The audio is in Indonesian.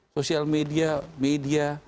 sosial media media